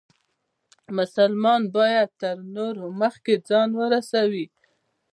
مسلمان باید تر نورو مخکې ځان ورورسوي.